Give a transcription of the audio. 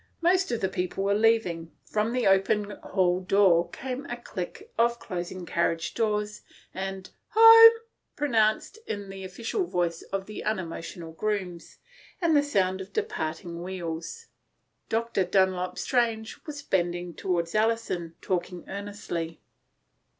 Most of the people were leaving. From the open hall door came the click of closing carriage doors, the word 106 ' THE STORY OF A MODERN WOMAN. " Home " pronounced in the official voice of the unemotional grooms, and the sound of departing wheels. Dr. Dunlop Strange was bending toward Alison, talking earnestly.